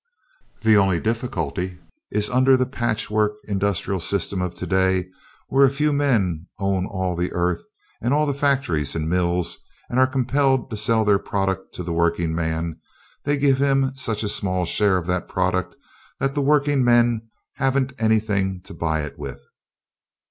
The only difficulty is under the patch work industrial system of today where a few men own all the earth, and all the factories and mills and are compelled to sell their product to the workingman, they give him such a small share of that product that the workingmen haven't anything to buy it with.